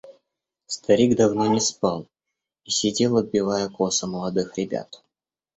Старик давно не спал и сидел, отбивая косы молодых ребят.